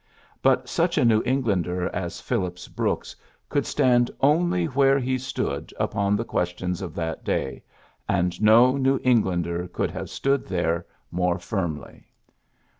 But such a New Englander as Phillips Brooks could stand only PHILLIPS BEOOKS 27 where he stood upon the questions of that day, and no New Englander could have stood there more firmly.